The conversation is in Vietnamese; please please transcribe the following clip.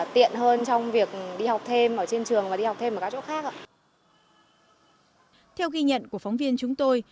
theo ghi nhận của phóng viên chúng tôi